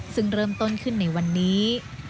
ซึ่งเริ่มต้นขึ้นในวันนี้